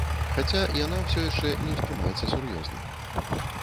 Хаця яна ўсё яшчэ не ўспрымаецца сур'ёзна.